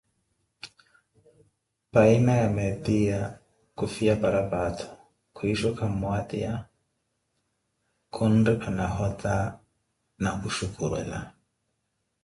Payina ya meetiya khufiya paraphato, kwishuka mmwatiya, khunripha nahota na kushukurwela.